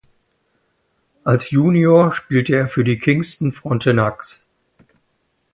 Als Junior spielte er für die Kingston Frontenacs.